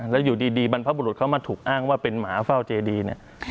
แล้วอยู่ดีบรรพบุรุษเขามาถูกอ้างว่าเป็นหมาเฝ้าเจดีเนี่ย